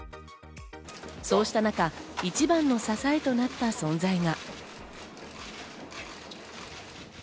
そうした中、一番の支えとなった存在が。